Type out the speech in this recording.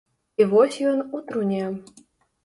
І вось ён у труне.